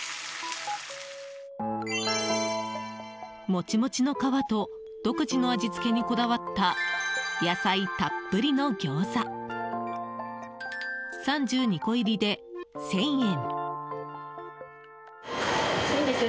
もちもちの皮と独自の味付けにこだわった野菜たっぷりのギョーザ３２個入りで１０００円。